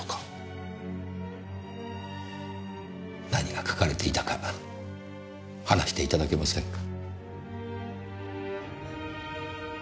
何が書かれていたか話していただけませんか？